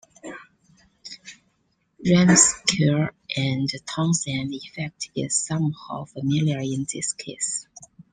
Ramseur and Townsend effect is somehow familiar in this case.